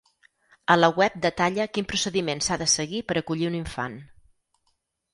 A la web detalla quin procediment s’ha de seguir per acollir un infant.